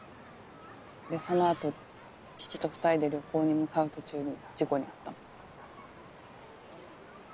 でそのあと父と２人で旅行に向かう途中に事故に遭ったの。